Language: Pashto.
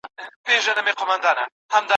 چا ویل؟ چي سوځم له انګار سره مي نه لګي